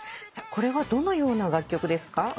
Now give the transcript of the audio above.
これはどのような楽曲ですか？